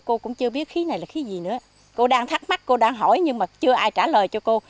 cô cũng chưa biết khí này là khí gì nữa cô đang thắc mắc cô đang hỏi nhưng mà chưa ai trả lời cho cô